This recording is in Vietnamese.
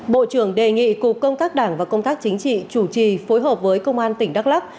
bộ trưởng đề nghị cục công tác đảng và công tác chính trị chủ trì phối hợp với công an tỉnh đắk lắc